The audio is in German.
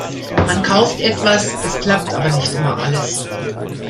Man kauft etwas, es klappt aber nicht immer alles.